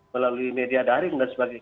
melalui media daring dan sebagainya